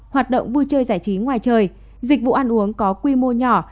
hoạt động vui chơi giải trí ngoài trời dịch vụ ăn uống có quy mô nhỏ